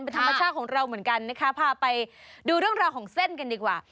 เป็นธรรมชาติของเราเหมือนกันนะคะพาไปดูเรื่องราวของเส้นกันดีกว่า